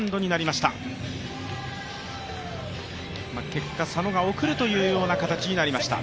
結果、佐野が送るという形になりました。